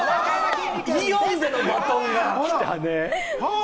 イオンのバトンが来たね。